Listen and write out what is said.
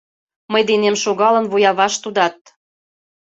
Мый денем шогалын вуяваш тудат.